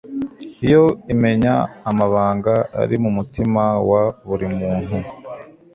yo imenya amabanga ari mu mutima wa buri muntu